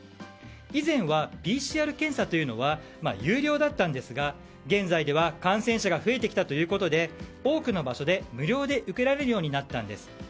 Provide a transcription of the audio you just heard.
以前はＰＣＲ検査というのは有料だったんですが現在では感染者が増えてきたということで多くの場所で、無料で受けられるようになったんです。